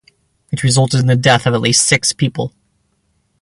It resulted in death of at least six people.